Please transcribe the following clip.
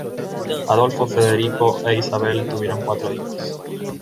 Adolfo Federico e Isabel tuvieron cuatro hijos.